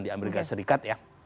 di amerika serikat ya